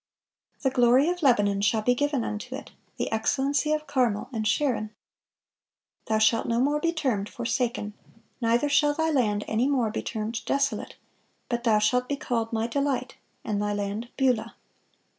"The glory of Lebanon shall be given unto it, the excellency of Carmel and Sharon." "Thou shalt no more be termed Forsaken; neither shall thy land any more be termed Desolate: but thou shalt be called My Delight, and thy land Beulah."